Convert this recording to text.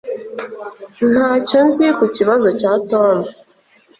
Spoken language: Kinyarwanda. Ntacyo nzi ku kibazo cya Tom